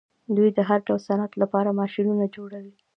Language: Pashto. دوی د هر ډول صنعت لپاره ماشینونه جوړوي.